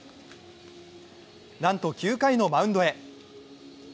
なんと９回のマウンドへ。